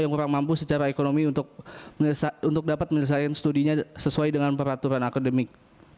yang kurang mampu secara ekonomi untuk dapat menyelesaikan studinya sesuai dengan peraturan akademik